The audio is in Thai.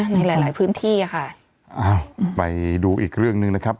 ในหลายหลายพื้นที่อ่ะค่ะอ้าวไปดูอีกเรื่องหนึ่งนะครับ